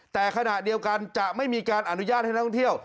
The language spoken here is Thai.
แต่ขณะเดียวกันจะไม่มีการอนุญาตให้นักท่องเที่ยว